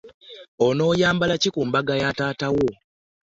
Onayambala kki kumbaga ya taata wo?